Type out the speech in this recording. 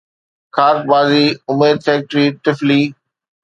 خاڪ بازي اميد فيڪٽري ٽفلي